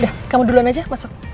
udah kamu duluan aja masuk